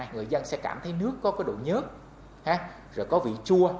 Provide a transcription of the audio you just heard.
người dân sẽ cảm thấy nước có cái độ nhớt rồi có vị chua